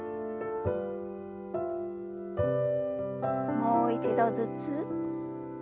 もう一度ずつ。